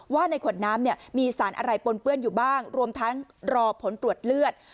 ว่าในขวดน้ำเนี่ยมีสารอะไรปนเปื้อนอยู่บ้างรวมทั้งรอผลตรวจเลือด